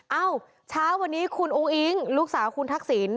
เอ้าเช้าวันนี้คุณอุ้งอิ๊งลูกสาวคุณทักษิณ